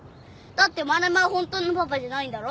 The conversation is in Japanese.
だってマルモは本当のパパじゃないんだろ？